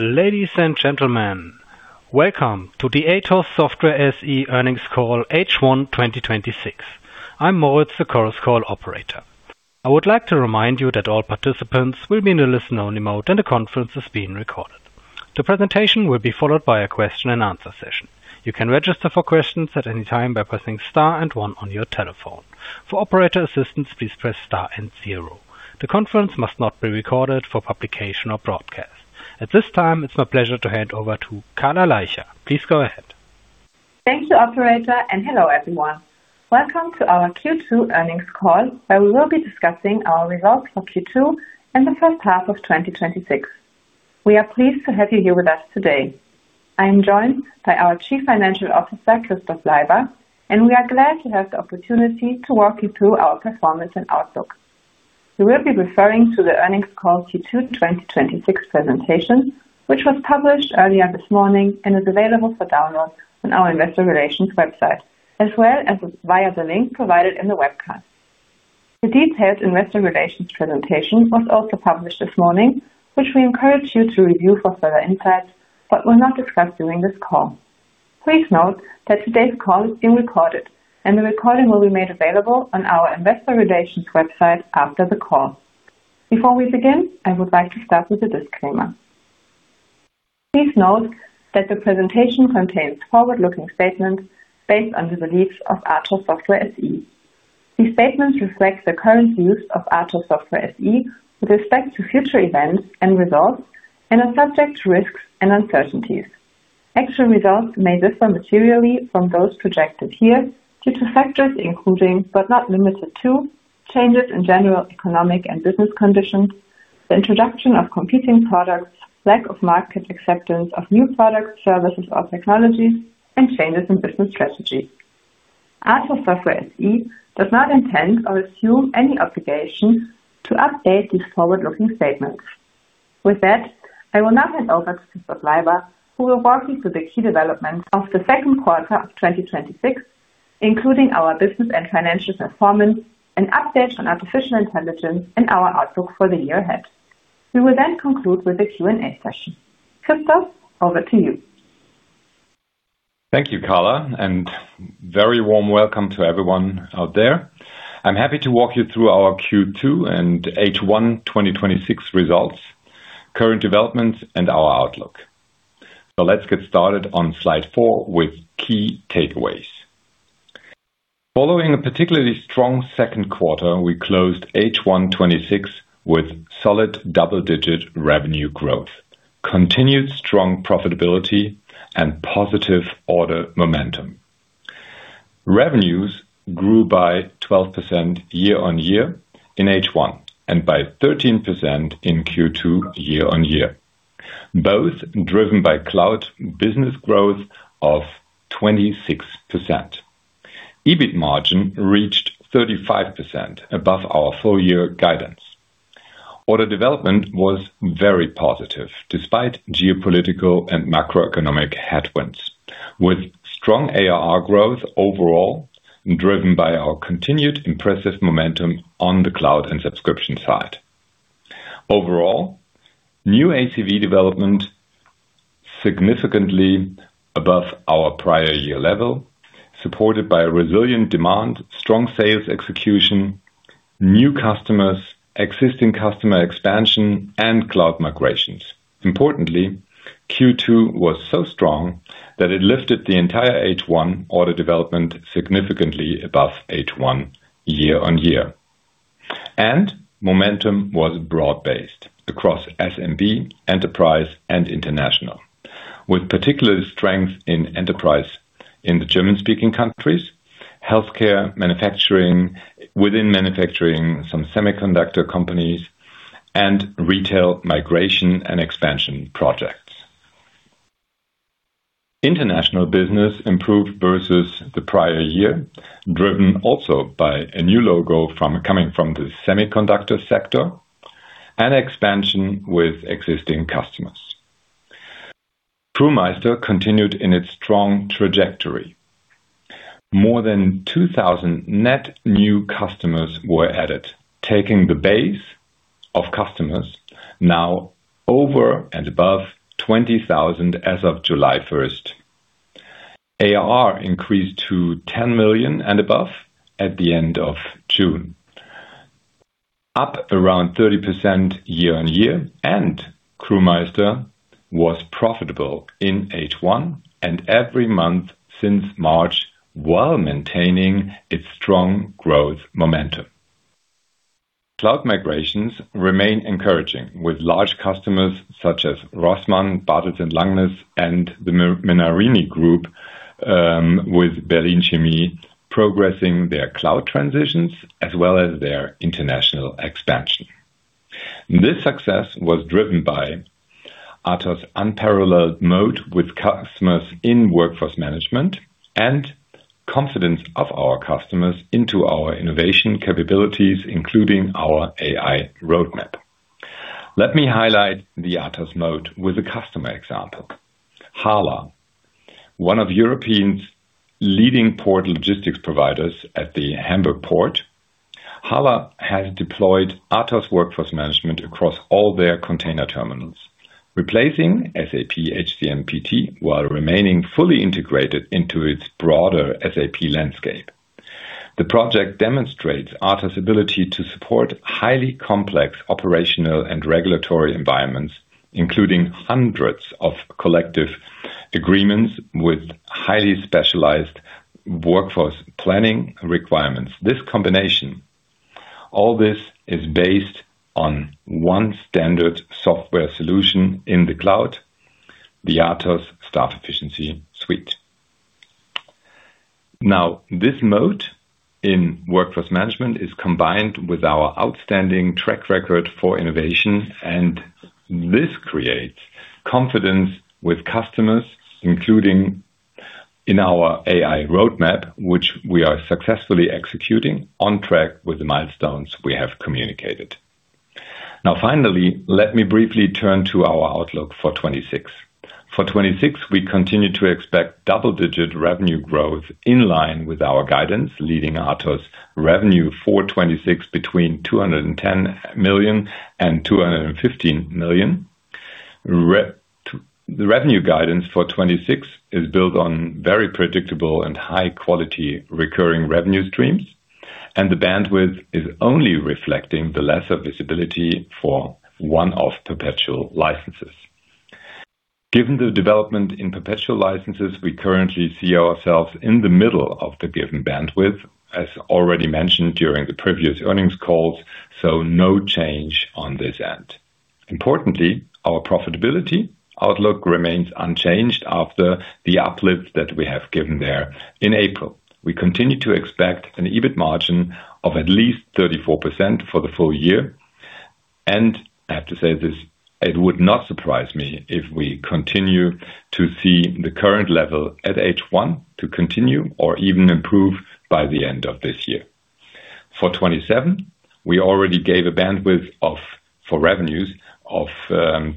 Ladies and gentlemen, welcome to the ATOSS Software SE earnings call H1 2026. I'm Moritz, the Chorus Call operator. I would like to remind you that all participants will be in a listen-only mode and the conference is being recorded. The presentation will be followed by a Q&A session. You can register for questions at any time by pressing star and one on your telephone. For operator assistance, please press star and zero. The conference must not be recorded for publication or broadcast. At this time, it's my pleasure to hand over to Carla Leicher. Please go ahead. Thank you, operator. Hello, everyone. Welcome to our Q2 earnings call, where we will be discussing our results for Q2 and the first half of 2026. We are pleased to have you here with us today. I am joined by our Chief Financial Officer, Christof Leiber, and we are glad to have the opportunity to walk you through our performance and outlook. We will be referring to the earnings call Q2 2026 presentation, which was published earlier this morning and is available for download on our investor relations website, as well as via the link provided in the webcast. The detailed investor relations presentation was also published this morning, which we encourage you to review for further insights. We will not discuss during this call. Please note that today's call is being recorded. The recording will be made available on our investor relations website after the call. Before we begin, I would like to start with a disclaimer. Please note that the presentation contains forward-looking statements based on the beliefs of ATOSS Software SE. These statements reflect the current views of ATOSS Software SE with respect to future events and results and are subject to risks and uncertainties. Actual results may differ materially from those projected here due to factors including, but not limited to, changes in general economic and business conditions, the introduction of competing products, lack of market acceptance of new products, services, or technologies and changes in business strategy. ATOSS Software SE does not intend or assume any obligation to update these forward-looking statements. With that, I will now hand over to Christof Leiber, who will walk you through the key developments of the second quarter of 2026, including our business and financial performance, an update on artificial intelligence and our outlook for the year ahead. We will then conclude with the Q&A session. Christof, over to you. Thank you, Carla, and very warm welcome to everyone out there. I'm happy to walk you through our Q2 and H1 2026 results, current developments, and our outlook. Let's get started on slide four with key takeaways. Following a particularly strong second quarter, we closed H1 2026 with solid double-digit revenue growth, continued strong profitability, and positive order momentum. Revenues grew by 12% year-on-year in H1 and by 13% in Q2 year-on-year, both driven by Cloud and Subscriptions business growth of 26%. EBIT margin reached 35% above our full year guidance. Order development was very positive despite geopolitical and macroeconomic headwinds, with strong ARR growth overall driven by our continued impressive momentum on the Cloud and Subscriptions side. Overall, new ACV development significantly above our prior year level, supported by a resilient demand, strong sales execution, new customers, existing customer expansion, and cloud migrations. Importantly, Q2 was so strong that it lifted the entire H1 order development significantly above H1 year-on-year. Momentum was broad-based across SMB, enterprise, and international, with particular strength in enterprise in the German-speaking countries, healthcare, manufacturing, within manufacturing, some semiconductor companies, and retail migration and expansion projects. International business improved versus the prior year, driven also by a new logo coming from the semiconductor sector and expansion with existing customers. Crewmeister continued in its strong trajectory. More than 2,000 net new customers were added, taking the base of customers now over and above 20,000 as of July 1st. ARR increased to 10 million and above at the end of June, up around 30% year-on-year, and Crewmeister was profitable in H1 and every month since March, while maintaining its strong growth momentum. Cloud migrations remain encouraging with large customers such as Rossmann, Bartels-Langness, and the Menarini Group, with Berlin-Chemie progressing their cloud transitions as well as their international expansion. This success was driven by ATOSS' unparalleled moat with customers in workforce management and confidence of our customers into our innovation capabilities, including our AI roadmap. Let me highlight the ATOSS moat with a customer example. HHLA, one of Europe's leading port logistics providers at the Hamburg Port. HHLA has deployed ATOSS workforce management across all their container terminals, replacing SAP HCM PT while remaining fully integrated into its broader SAP landscape. The project demonstrates ATOSS' ability to support highly complex operational and regulatory environments, including hundreds of collective agreements with highly specialized workforce planning requirements. This combination, all this is based on one standard software solution in the cloud, the ATOSS Staff Efficiency Suite. This moat in workforce management is combined with our outstanding track record for innovation, and this creates confidence with customers, including in our AI roadmap, which we are successfully executing on track with the milestones we have communicated. Finally, let me briefly turn to our outlook for 2026. For 2026, we continue to expect double-digit revenue growth in line with our guidance, leading ATOSS revenue for 2026 between 210 million and 215 million. The revenue guidance for 2026 is built on very predictable and high-quality recurring revenue streams, and the bandwidth is only reflecting the lesser visibility for one-off perpetual licenses. Given the development in perpetual licenses, we currently see ourselves in the middle of the given bandwidth, as already mentioned during the previous earnings calls, no change on this end. Importantly, our profitability outlook remains unchanged after the uplift that we have given there in April. We continue to expect an EBIT margin of at least 34% for the full year. I have to say this, it would not surprise me if we continue to see the current level at H1 to continue or even improve by the end of this year. For 2027, we already gave a bandwidth for revenues of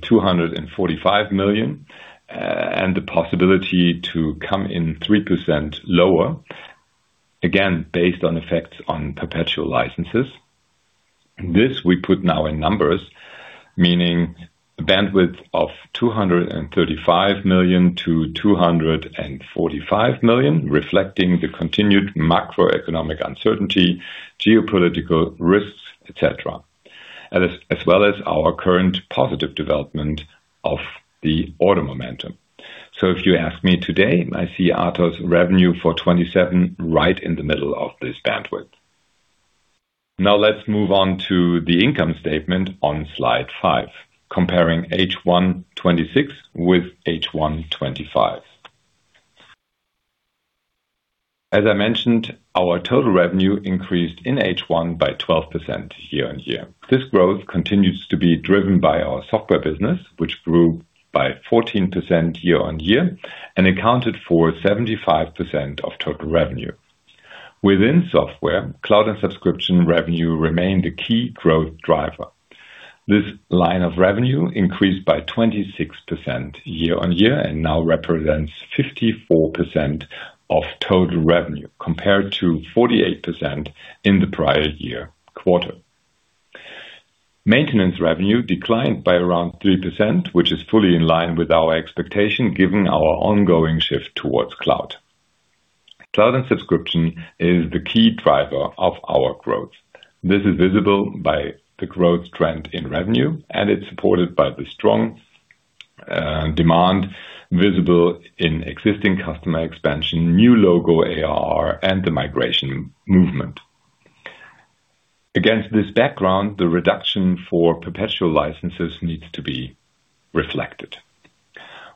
245 million, and the possibility to come in 3% lower, again, based on effects on perpetual licenses. This we put now in numbers, meaning a bandwidth of 235 million-245 million, reflecting the continued macroeconomic uncertainty, geopolitical risks, et cetera. As well as our current positive development of the order momentum. If you ask me today, I see ATOSS revenue for 2027 right in the middle of this bandwidth. Now let's move on to the income statement on slide five, comparing H1 2026 with H1 2025. As I mentioned, our total revenue increased in H1 by 12% year-on-year. This growth continues to be driven by our software business, which grew by 14% year-on-year and accounted for 75% of total revenue. Within software, Cloud and Subscriptions revenue remained a key growth driver. This line of revenue increased by 26% year-on-year and now represents 54% of total revenue, compared to 48% in the prior year quarter. Maintenance revenue declined by around 3%, which is fully in line with our expectation given our ongoing shift towards cloud. Cloud and Subscriptions is the key driver of our growth. It's supported by the strong demand visible in existing customer expansion, new logo ARR, and the migration movement. Against this background, the reduction for perpetual licenses needs to be reflected.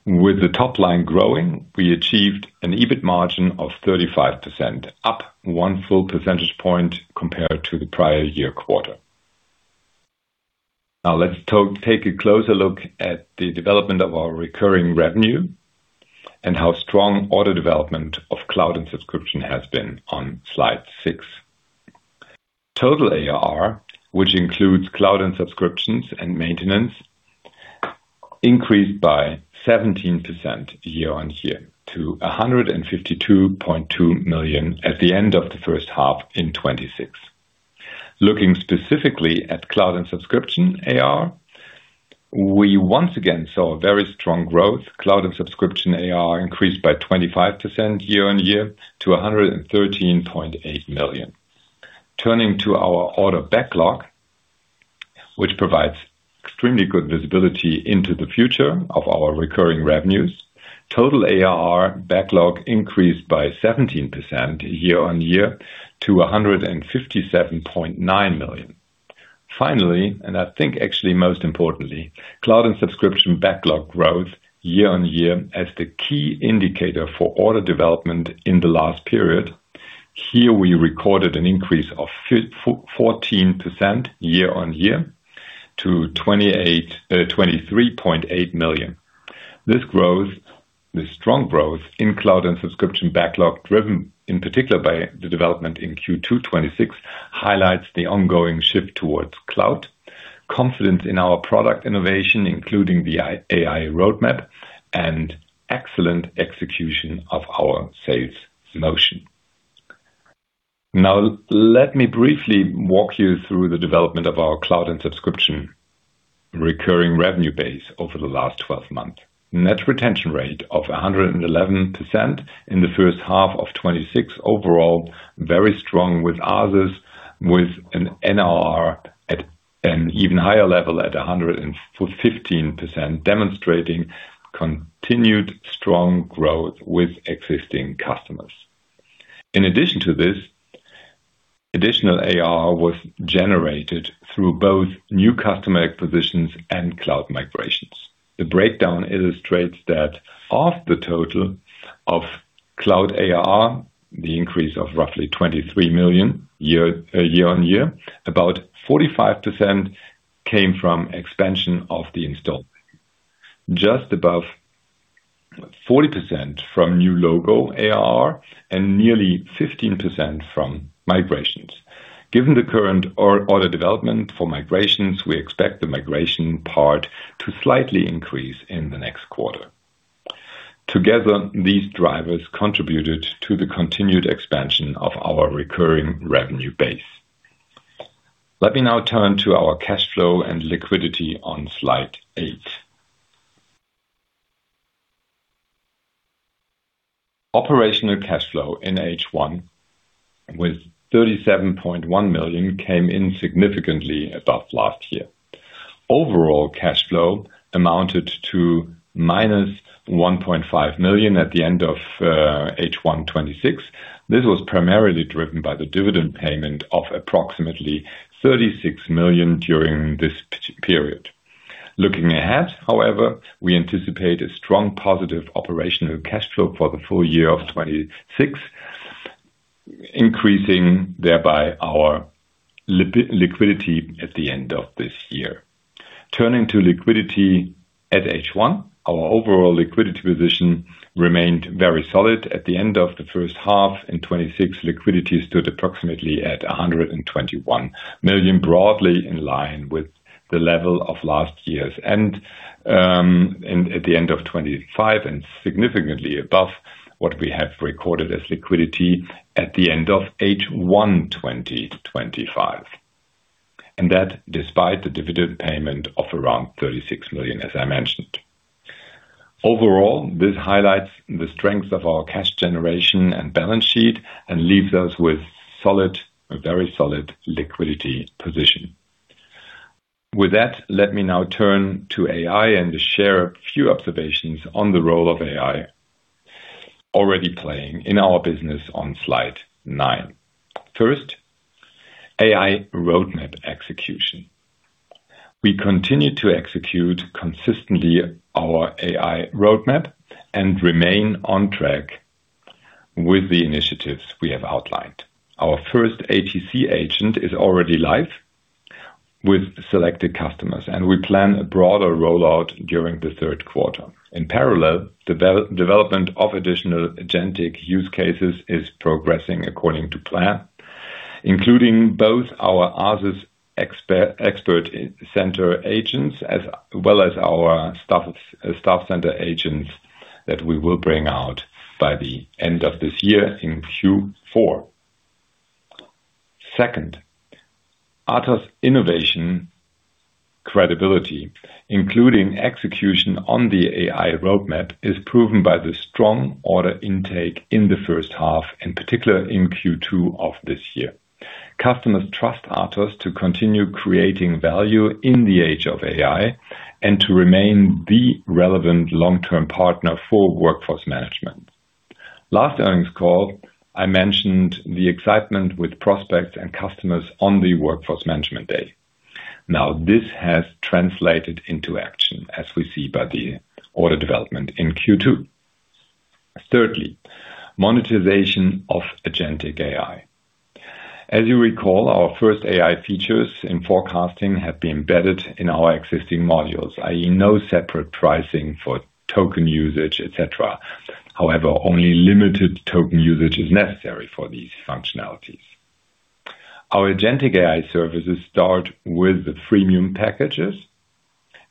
With the top line growing, we achieved an EBIT margin of 35%, up one full percentage point compared to the prior year quarter. Now let's take a closer look at the development of our recurring revenue and how strong order development of Cloud and Subscriptions has been on slide six. Total ARR, which includes Cloud and Subscriptions and maintenance, increased by 17% year-on-year to 152.2 million at the end of the first half in 2026. Looking specifically at Cloud and Subscriptions ARR, we once again saw a very strong growth. Cloud and Subscriptions ARR increased by 25% year-on-year to 113.8 million. Turning to our order backlog, which provides extremely good visibility into the future of our recurring revenues, total ARR backlog increased by 17% year-on-year to 157.9 million. Finally, I think actually most importantly, Cloud and Subscriptions backlog growth year-on-year as the key indicator for order development in the last period. Here we recorded an increase of 14% year-on-year to 23.8 million. This strong growth in Cloud and Subscriptions backlog, driven in particular by the development in Q2 2026, highlights the ongoing shift towards cloud. Confidence in our product innovation, including the AI roadmap and excellent execution of our sales motion. Now, let me briefly walk you through the development of our Cloud and Subscriptions recurring revenue base over the last 12 months. Net retention rate of 111% in the first half of 2026. Overall, very strong with ASES, with an NRR at an even higher level at 115%, demonstrating continued strong growth with existing customers. In addition to this, additional ARR was generated through both new customer acquisitions and cloud migrations. The breakdown illustrates that of the total of cloud ARR, the increase of roughly 23 million year-on-year, about 45% came from expansion of the installment. Just above 40% from new logo ARR and nearly 15% from migrations. Given the current order development for migrations, we expect the migration part to slightly increase in the next quarter. Together, these drivers contributed to the continued expansion of our recurring revenue base. Let me now turn to our cash flow and liquidity on slide eight. Operational cash flow in H1 with 37.1 million came in significantly above last year. Overall cash flow amounted to -1.5 million at the end of H1 2026. This was primarily driven by the dividend payment of approximately 36 million during this period. Looking ahead, however, we anticipate a strong positive operational cash flow for the full year of 2026, increasing thereby our liquidity at the end of this year. Turning to liquidity at H1, our overall liquidity position remained very solid. At the end of the first half in 2026, liquidity stood approximately at 121 million, broadly in line with the level of last year's end at the end of 2025, and significantly above what we have recorded as liquidity at the end of H1 2025. That despite the dividend payment of around 36 million, as I mentioned. Overall, this highlights the strength of our cash generation and balance sheet and leaves us with a very solid liquidity position. With that, let me now turn to AI and share a few observations on the role of AI already playing in our business on slide nine. First, AI roadmap execution. We continue to execute consistently our AI roadmap and remain on track with the initiatives we have outlined. Our first ATOSS agent is already live with selected customers, and we plan a broader rollout during the third quarter. In parallel, development of additional agentic use cases is progressing according to plan, including both our ASES expert center agents as well as our staff center agents that we will bring out by the end of this year in Q4. Second, ATOSS innovation credibility, including execution on the AI roadmap, is proven by the strong order intake in the first half, in particular in Q2 of this year. Customers trust ATOSS to continue creating value in the age of AI and to remain the relevant long-term partner for workforce management. Last earnings call, I mentioned the excitement with prospects and customers on the Workforce Management Day. This has translated into action, as we see by the order development in Q2. Thirdly, monetization of agentic AI. As you recall, our first AI features in forecasting have been embedded in our existing modules, i.e. no separate pricing for token usage, et cetera. However, only limited token usage is necessary for these functionalities. Our agentic AI services start with the freemium packages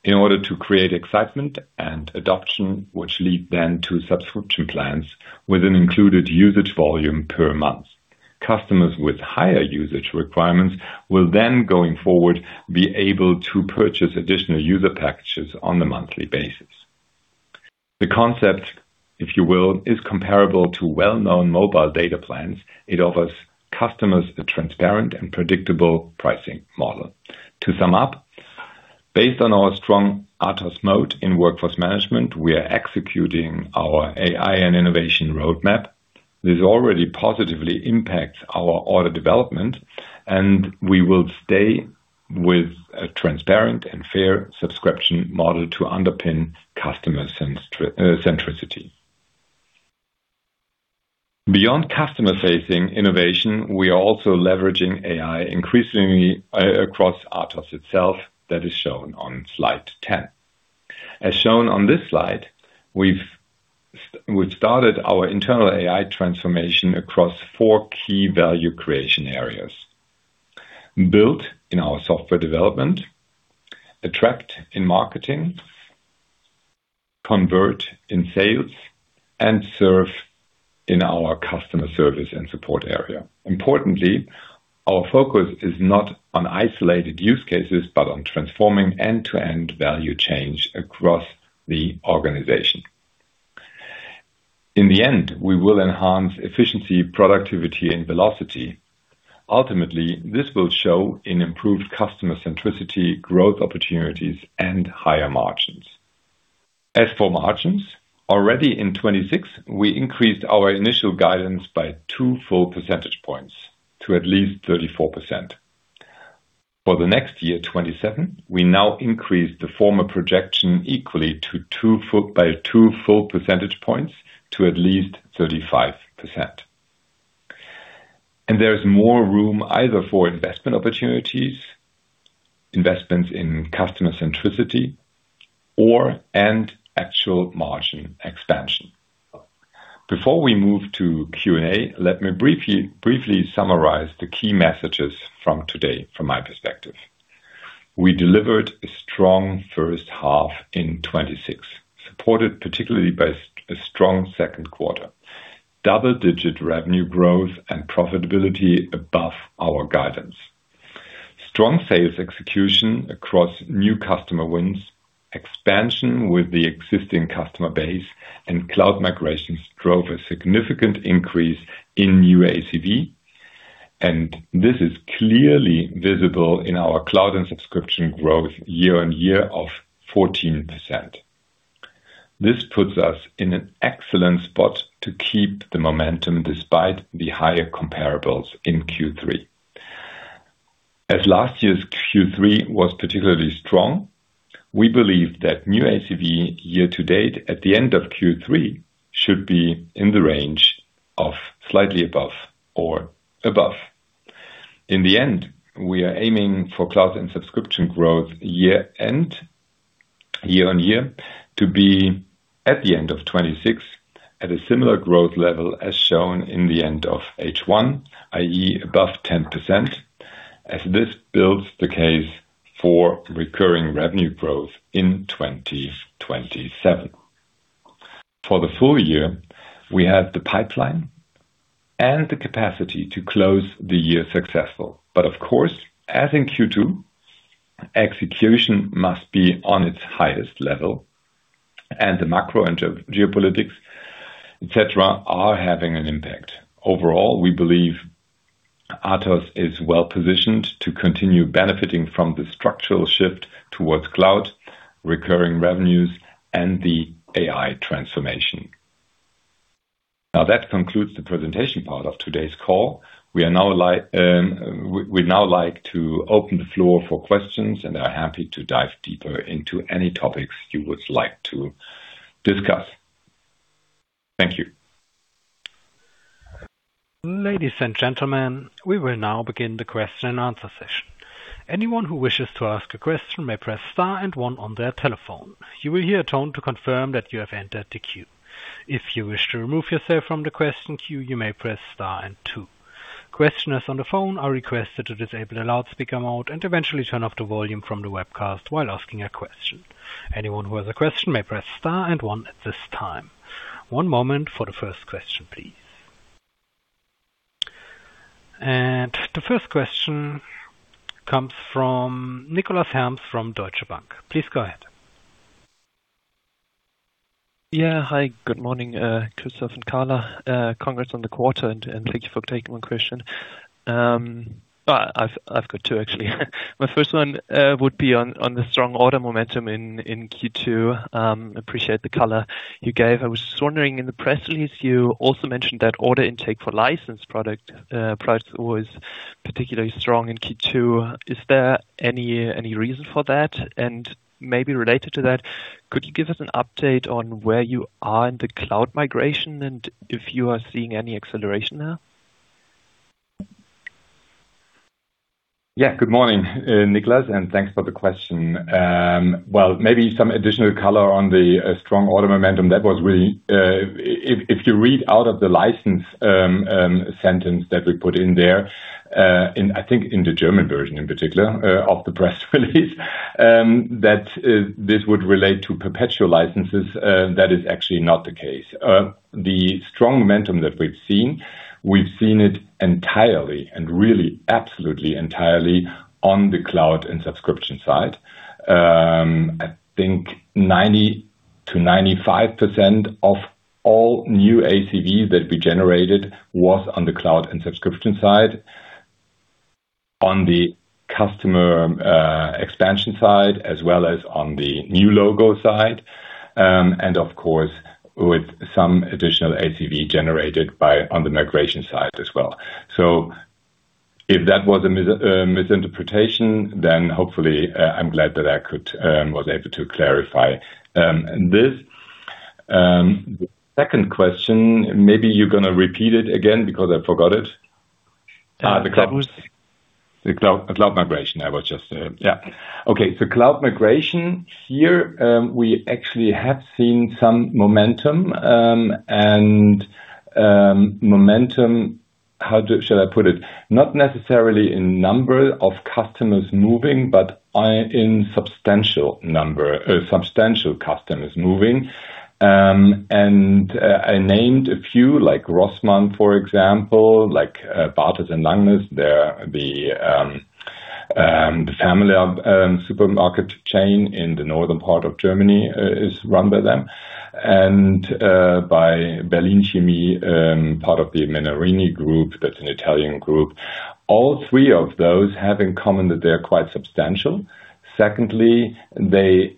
in order to create excitement and adoption, which lead then to subscription plans with an included usage volume per month. Customers with higher usage requirements will then, going forward, be able to purchase additional user packages on a monthly basis. The concept, if you will, is comparable to well-known mobile data plans. It offers customers a transparent and predictable pricing model. To sum up, based on our strong ATOSS moat in workforce management, we are executing our AI and innovation roadmap. This already positively impacts our order development, and we will stay with a transparent and fair subscription model to underpin customer centricity. Beyond customer-facing innovation, we are also leveraging AI increasingly across ATOSS itself. That is shown on slide 10. As shown on this slide, we've started our internal AI transformation across four key value creation areas. Build in our software development, attract in marketing, convert in sales, and serve in our customer service and support area. Importantly, our focus is not on isolated use cases, but on transforming end-to-end value change across the organization. In the end, we will enhance efficiency, productivity, and velocity. Ultimately, this will show in improved customer centricity, growth opportunities, and higher margins. As for margins, already in 2026, we increased our initial guidance by 2 full percentage points to at least 34%. For the next year, 2027, we now increase the former projection equally by 2 full percentage points to at least 35%. There is more room either for investment opportunities, investments in customer centricity, or and actual margin expansion. Before we move to Q&A, let me briefly summarize the key messages from today, from my perspective. We delivered a strong first half in 2026, supported particularly by a strong second quarter. Double-digit revenue growth and profitability above our guidance. Strong sales execution across new customer wins, expansion with the existing customer base, and cloud migrations drove a significant increase in new ACV, and this is clearly visible in our Cloud and Subscriptions growth year-on-year of 14%. This puts us in an excellent spot to keep the momentum despite the higher comparables in Q3. As last year's Q3 was particularly strong, we believe that new ACV year to date at the end of Q3 should be in the range of slightly above or above. In the end, we are aiming for Cloud and Subscriptions growth year-on-year to be at the end of 2026 at a similar growth level as shown in the end of H1, i.e., above 10%, as this builds the case for recurring revenue growth in 2027. For the full year, we have the pipeline and the capacity to close the year successful. Of course, as in Q2, execution must be on its highest level, and the macro and geopolitics, et cetera, are having an impact. Overall, we believe ATOSS is well-positioned to continue benefiting from the structural shift towards cloud, recurring revenues, and the AI transformation. That concludes the presentation part of today's call. We'd now like to open the floor for questions and are happy to dive deeper into any topics you would like to discuss. Thank you. Ladies and gentlemen, we will now begin the Q&A session. Anyone who wishes to ask a question may press star and one on their telephone. You will hear a tone to confirm that you have entered the queue. If you wish to remove yourself from the question queue, you may press star and two. Questioners on the phone are requested to disable the loudspeaker mode and eventually turn off the volume from the webcast while asking a question. Anyone who has a question may press star and one at this time. One moment for the first question, please. The first question comes from Nicolas Herms from Deutsche Bank. Please go ahead. Hi, good morning, Christof and Carla. Congrats on the quarter, thank you for taking my question. I've got two, actually. My first one would be on the strong order momentum in Q2. Appreciate the color you gave. I was just wondering, in the press release, you also mentioned that order intake for license products was particularly strong in Q2. Is there any reason for that? Maybe related to that, could you give us an update on where you are in the cloud migration and if you are seeing any acceleration there? Good morning, Nicolas, thanks for the question. Well, maybe some additional color on the strong order momentum. If you read out of the license sentence that we put in there, I think in the German version in particular of the press release, that this would relate to perpetual licenses. That is actually not the case. The strong momentum that we've seen, we've seen it entirely, really absolutely entirely, on the Cloud and Subscriptions side. I think 90%-95% of all new ACV that we generated was on the Cloud and Subscriptions side, on the customer expansion side, as well as on the new logo side. Of course, with some additional ACV generated on the migration side as well. If that was a misinterpretation, hopefully I'm glad that I was able to clarify this. The second question, maybe you're going to repeat it again because I forgot it The cloud migration. The cloud migration. Here, we actually have seen some momentum. Momentum, how should I put it? Not necessarily in number of customers moving, but in substantial customers moving. I named a few, like Rossmann, for example, like Bartels-Langness. The famila supermarket chain in the northern part of Germany is run by them. By Berlin-Chemie, part of the Menarini Group. That's an Italian group. All three of those have in common that they're quite substantial. Secondly, they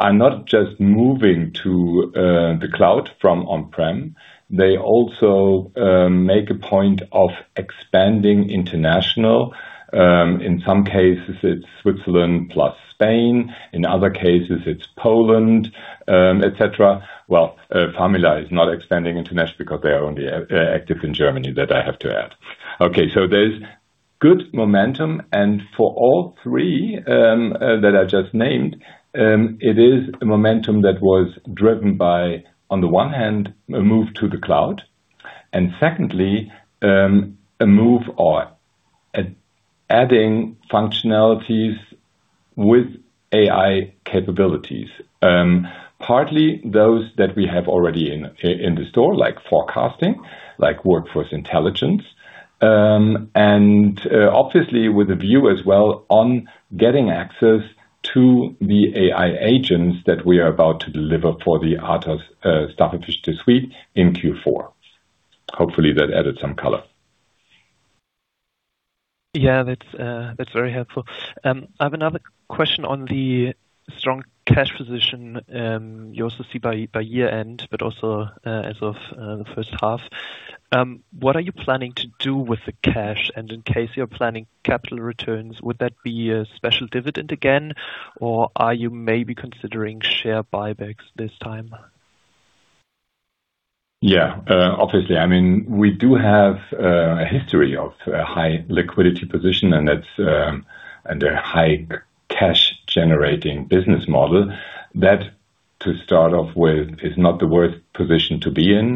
are not just moving to the cloud from on-prem, they also make a point of expanding international. In some cases, it's Switzerland plus Spain. In other cases, it's Poland, et cetera. Well, famila is not expanding international because they are only active in Germany, that I have to add. Okay, there's good momentum. For all three that I just named, it is a momentum that was driven by, on the one hand, a move to the cloud, and secondly, a move or adding functionalities with AI capabilities. Partly, those that we have already in the store, like forecasting, like Workforce Intelligence. Obviously with a view as well on getting access to the AI agents that we are about to deliver for the ATOSS Staff Efficiency Suite in Q4. Hopefully, that added some color. Yeah. That's very helpful. I have another question on the strong cash position you also see by year-end, but also as of the first half. What are you planning to do with the cash? In case you're planning capital returns, would that be a special dividend again, or are you maybe considering share buybacks this time? Yeah. Obviously, we do have a history of a high liquidity position, and a high cash-generating business model. That, to start off with, is not the worst position to be in.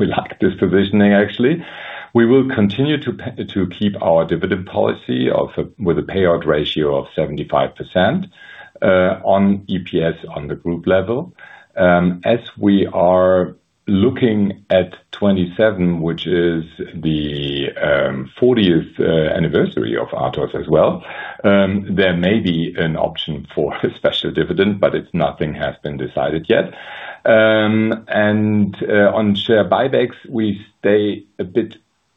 We like this positioning, actually. We will continue to keep our dividend policy with a payout ratio of 75% on EPS on the group level. As we are looking at 2027, which is the 40th anniversary of ATOSS as well, there may be an option for a special dividend, but nothing has been decided yet. On share buybacks,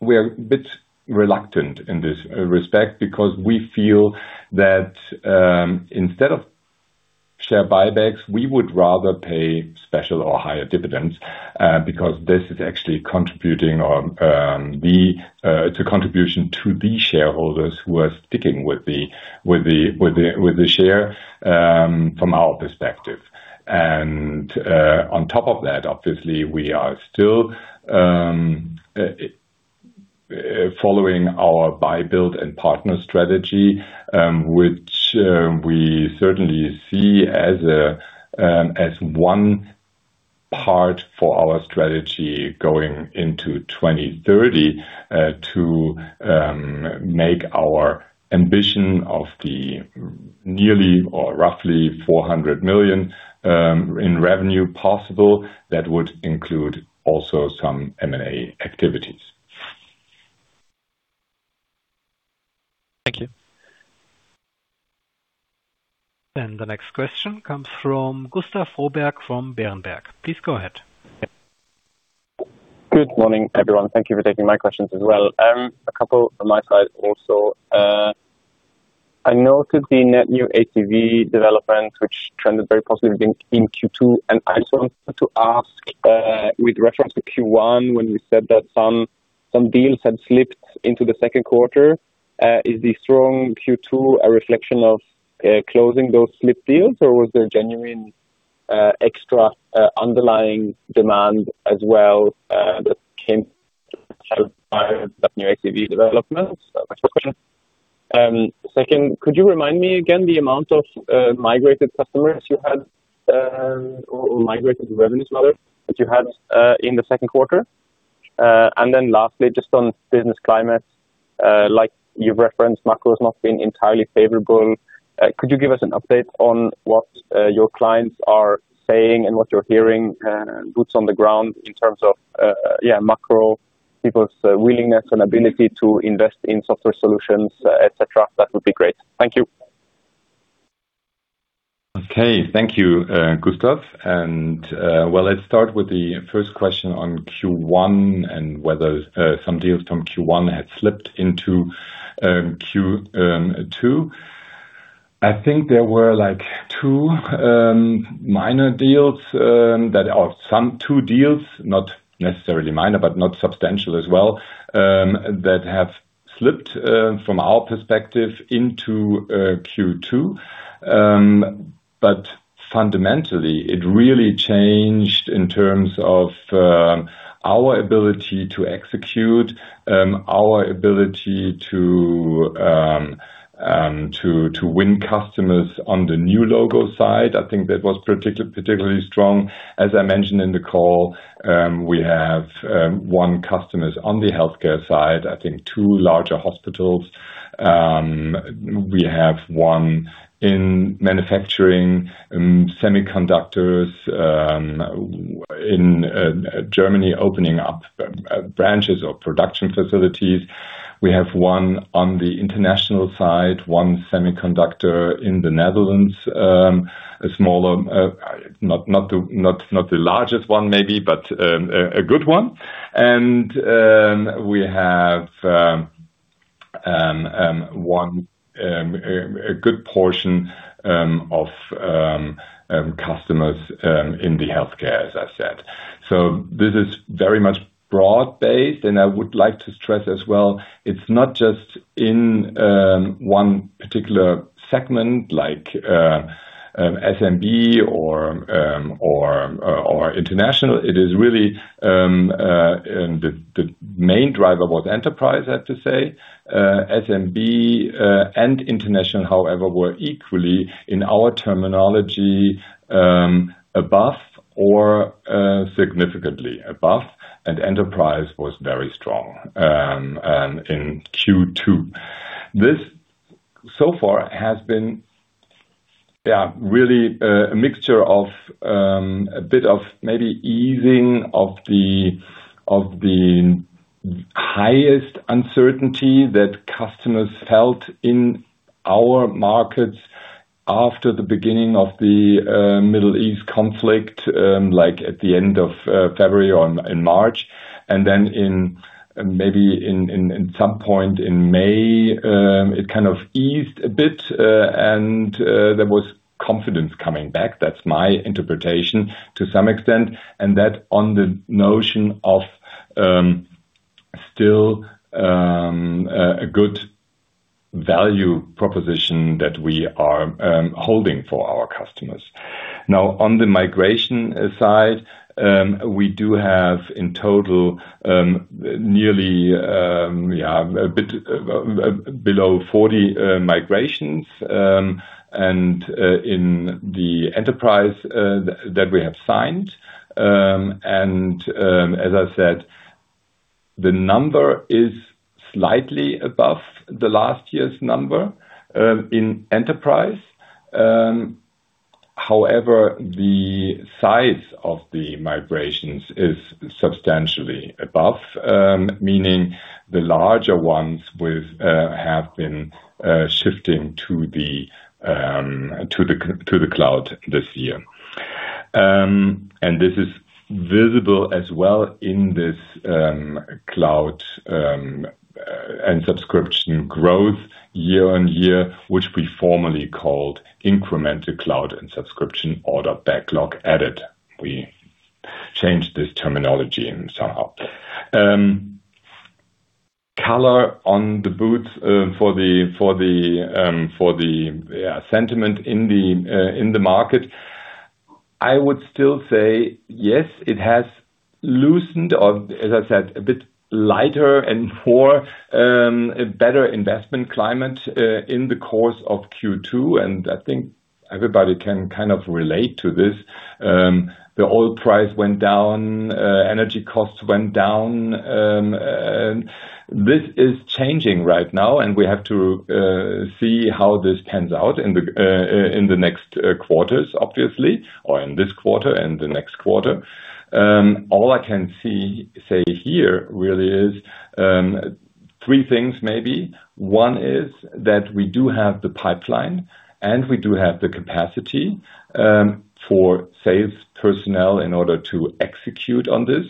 we're a bit reluctant in this respect because we feel that instead of share buybacks, we would rather pay special or higher dividends, because this is actually a contribution to the shareholders who are sticking with the share from our perspective. On top of that, obviously, we are still following our buy, build, and partner strategy, which we certainly see as one part for our strategy going into 2030, to make our ambition of the nearly or roughly 400 million in revenue possible. That would include also some M&A activities. Thank you. The next question comes from Gustav Froberg from Berenberg. Please go ahead. Good morning, everyone. Thank you for taking my questions as well. A couple on my side also. I noted the net new ACV development, which trended very positively in Q2. I just wanted to ask with reference to Q1, when we said that some deals had slipped into the second quarter. Is the strong Q2 a reflection of closing those slipped deals, or was there genuine extra underlying demand as well that came out of that new ACV development? First question. Second, could you remind me again the amount of migrated customers you had, or migrated revenues rather, that you had in the second quarter? Lastly, just on business climate, like you've referenced, macro has not been entirely favorable. Could you give us an update on what your clients are saying and what you're hearing, boots on the ground, in terms of macro, people's willingness and ability to invest in software solutions, et cetera? That would be great. Thank you. Okay. Thank you, Gustav. Well, let's start with the first question on Q1 and whether some deals from Q1 had slipped into Q2. I think there were two minor deals. Some two deals, not necessarily minor, but not substantial as well, that have slipped from our perspective into Q2. Fundamentally, it really changed in terms of our ability to execute, our ability to win customers on the new logo side. I think that was particularly strong. As I mentioned in the call, we have won customers on the healthcare side, I think two larger hospitals. We have one in manufacturing semiconductors in Germany, opening up branches or production facilities. We have one on the international side, one semiconductor in the Netherlands. A smaller, not the largest one maybe, but a good one. We have a good portion of customers in the healthcare, as I said. This is very much broad-based, and I would like to stress as well, it's not just in one particular segment like SMB or international. It is really the main driver was enterprise, I have to say. SMB and international, however, were equally, in our terminology, above or significantly above, and enterprise was very strong in Q2. This so far has been, really a mixture of a bit of maybe easing of the highest uncertainty that customers felt in our markets after the beginning of the Middle East conflict, like at the end of February or in March. Then maybe in some point in May, it kind of eased a bit, and there was confidence coming back, that's my interpretation to some extent, and that on the notion of still a good value proposition that we are holding for our customers. On the migration side, we do have in total nearly, a bit below 40 migrations, and in the enterprise that we have signed. As I said, the number is slightly above the last year's number in enterprise. However, the size of the migrations is substantially above, meaning the larger ones have been shifting to the cloud this year. This is visible as well in this Cloud and Subscriptions growth year-on-year, which we formerly called incremental Cloud and Subscriptions order backlog added. We changed this terminology somehow. Color on the boots for the sentiment in the market. I would still say yes, it has loosened or as I said, a bit lighter and for a better investment climate in the course of Q2, and I think everybody can kind of relate to this. The oil price went down, energy costs went down. This is changing right now, and we have to see how this pans out in the next quarters, obviously, or in this quarter and the next quarter. All I can say here really is three things maybe. One is that we do have the pipeline, and we do have the capacity for sales personnel in order to execute on this.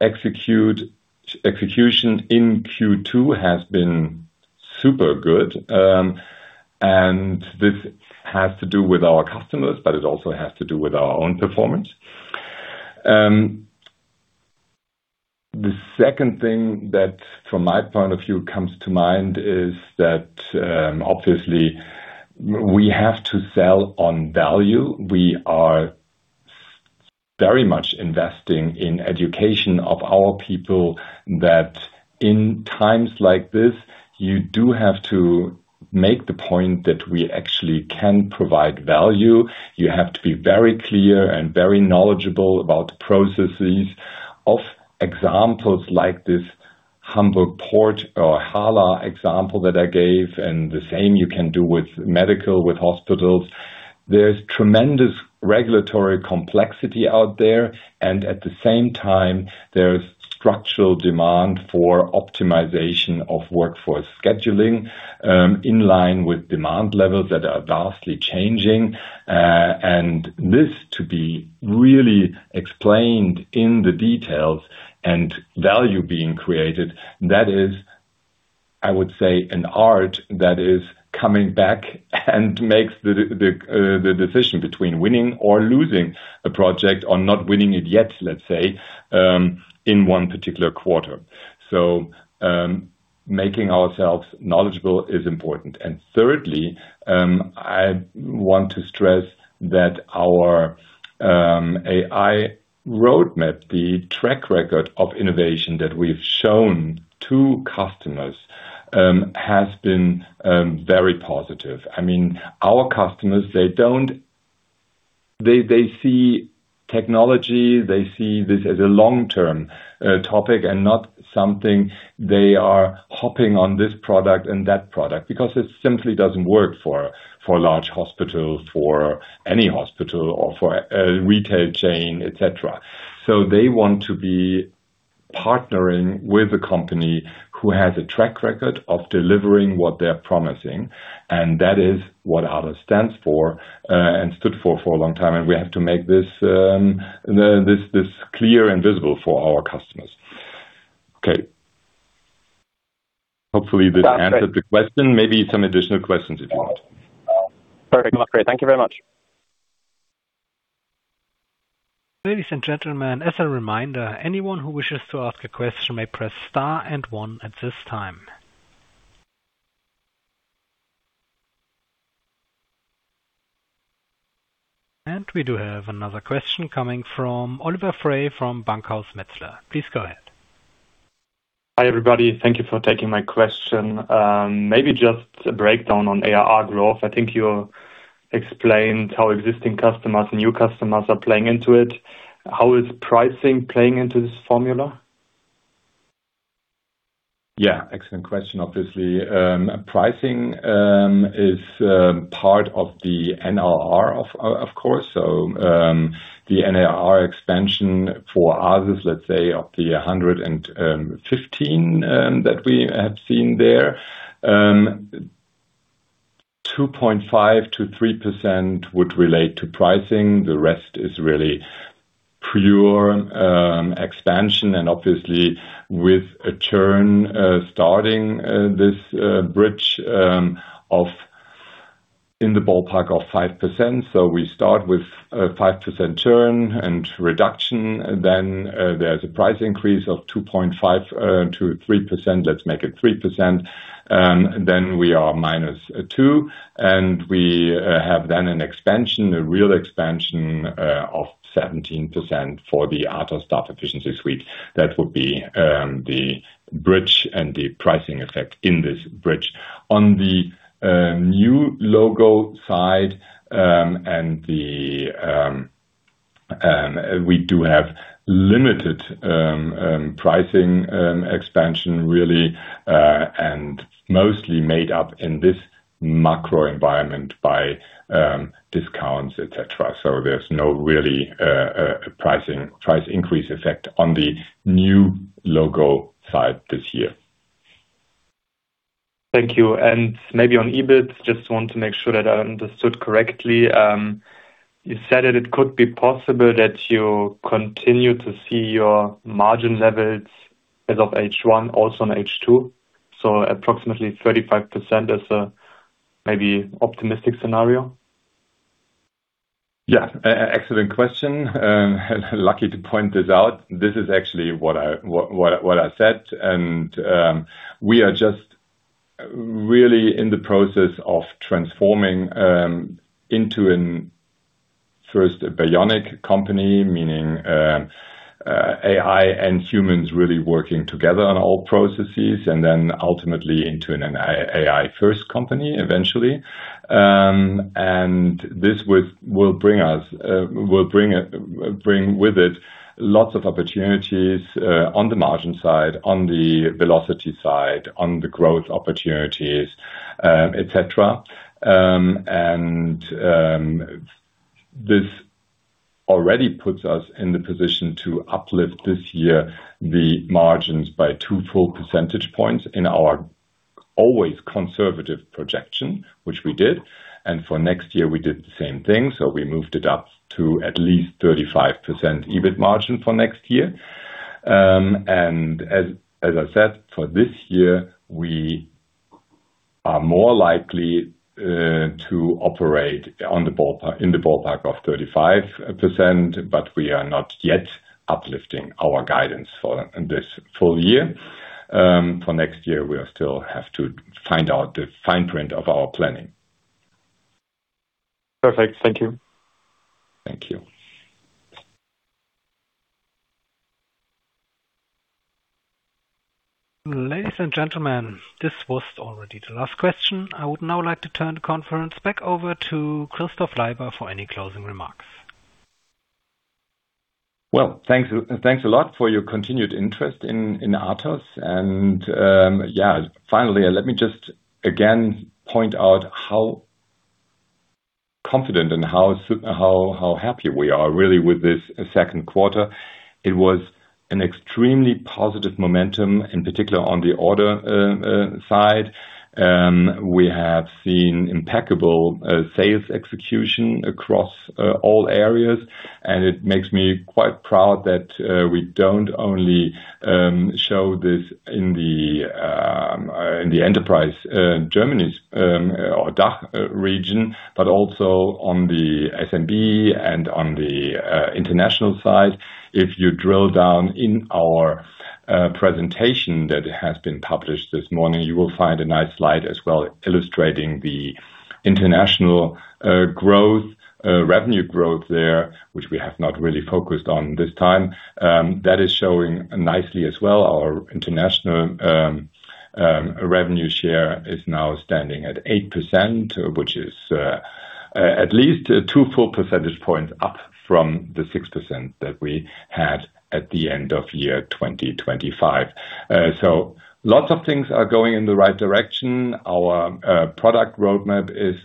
Execution in Q2 has been super good. This has to do with our customers, but it also has to do with our own performance. The second thing that from my point of view comes to mind is that obviously we have to sell on value. We are very much investing in education of our people, that in times like this, you do have to make the point that we actually can provide value. You have to be very clear and very knowledgeable about processes of examples like this Hamburg Port or HHLA example that I gave, and the same you can do with medical, with hospitals. There is tremendous regulatory complexity out there, and at the same time, there is structural demand for optimization of workforce scheduling in line with demand levels that are vastly changing. This to be really explained in the details and value being created, that is, I would say, an art that is coming back and makes the decision between winning or losing a project or not winning it yet, let's say, in one particular quarter. Making ourselves knowledgeable is important. Thirdly, I want to stress that our AI roadmap, the track record of innovation that we have shown to customers has been very positive. Our customers, they see technology, they see this as a long-term topic and not something they are hopping on this product and that product, because it simply doesn't work for a large hospital, for any hospital or for a retail chain, et cetera. They want to be partnering with a company who has a track record of delivering what they're promising, and that is what ATOSS stands for and stood for a long time, and we have to make this clear and visible for our customers. Okay. Hopefully this answered the question. Maybe some additional questions if you want. Perfect. Great. Thank you very much. Ladies and gentlemen, as a reminder, anyone who wishes to ask a question may press star and one at this time. We do have another question coming from Oliver Frey from Bankhaus Metzler. Please go ahead. Hi, everybody. Thank you for taking my question. Maybe just a breakdown on ARR growth. I think you explained how existing customers and new customers are playing into it. How is pricing playing into this formula? Yeah, excellent question. Obviously, pricing is part of the NRR, of course. The NRR expansion for others, let's say of the 115% that we have seen there, 2.5%-3% would relate to pricing. The rest is really pure expansion and obviously with a churn starting this bridge in the ballpark of 5%. We start with a 5% churn and reduction, then there's a price increase of 2.5%-3%, let's make it 3%. We are -2, and we have then an expansion, a real expansion of 17% for the ATOSS Staff Efficiency Suite. That would be the bridge and the pricing effect in this bridge. On the new logo side, we do have limited pricing expansion, really, and mostly made up in this macro environment by discounts, et cetera. There's no really price increase effect on the new logo side this year. Thank you. Maybe on EBIT, just want to make sure that I understood correctly. You said that it could be possible that you continue to see your margin levels as of H1 also in H2, so approximately 35% as a maybe optimistic scenario? Yeah. Excellent question. Lucky to point this out. This is actually what I said. We are just really in the process of transforming into, first, a bionic company, meaning AI and humans really working together on all processes, and then ultimately into an AI-first company eventually. This will bring with it lots of opportunities on the margin side, on the velocity side, on the growth opportunities, et cetera. This already puts us in the position to uplift this year the margins by 2 full percentage points in our always conservative projection, which we did. For next year, we did the same thing. We moved it up to at least 35% EBIT margin for next year. As I said, for this year, we are more likely to operate in the ballpark of 35%, but we are not yet uplifting our guidance for this full year. For next year, we still have to find out the fine print of our planning. Perfect. Thank you. Thank you. Ladies and gentlemen, this was already the last question. I would now like to turn the conference back over to Christof Leiber for any closing remarks. Thanks a lot for your continued interest in ATOSS. Finally, let me just again point out how confident and how happy we are really with this second quarter. It was an extremely positive momentum, in particular on the order side. We have seen impeccable sales execution across all areas, and it makes me quite proud that we don't only show this in the Enterprise Germany or DACH region, but also on the SMB and on the international side. If you drill down in our presentation that has been published this morning, you will find a nice slide as well illustrating the international revenue growth there, which we have not really focused on this time. That is showing nicely as well. Our international revenue share is now standing at 8%, which is at least 2 full percentage points up from the 6% that we had at the end of year 2025. Lots of things are going in the right direction. Our product roadmap is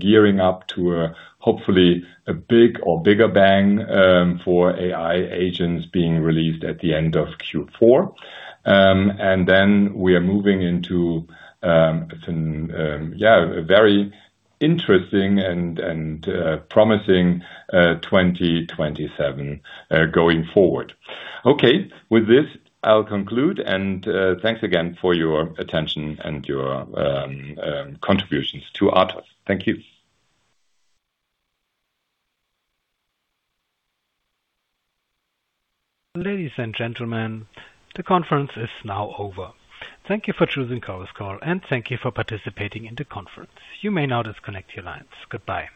gearing up to hopefully a big or bigger bang for AI agents being released at the end of Q4. Then we are moving into a very interesting and promising 2027 going forward. Okay. With this, I'll conclude and thanks again for your attention and your contributions to ATOSS. Thank you. Ladies and gentlemen, the conference is now over. Thank you for choosing Chorus Call, and thank you for participating in the conference. You may now disconnect your lines. Goodbye.